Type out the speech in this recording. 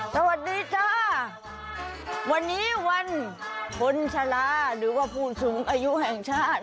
สวัสดีจ้าวันนี้วันคนชะลาหรือว่าผู้สูงอายุแห่งชาติ